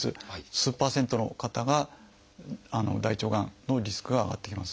数％の方が大腸がんのリスクが上がってきます。